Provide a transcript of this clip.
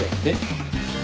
えっ？